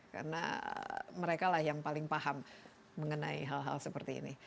karena mereka lah yang paling paham mengenai hal hal seperti ini